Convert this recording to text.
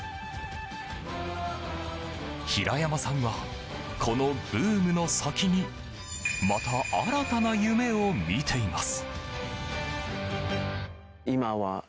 平山さんは、このブームの先にまた新たな夢を見ています。